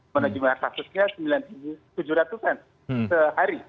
mana jumlah kasusnya sembilan tujuh ratus an sehari